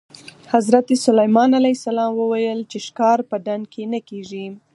حضرت سلیمان علیه السلام وویل چې ښکار په ډنډ کې نه کېږي.